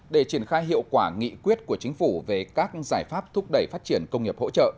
để triển khai hiệu quả nghị quyết của chính phủ về các giải pháp thúc đẩy phát triển công nghiệp hỗ trợ